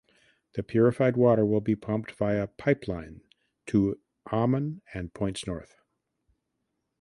The purified water will be pumped via pipeline to Amman and points north.